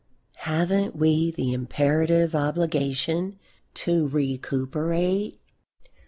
Haven't we the imperative obligation to recuperate?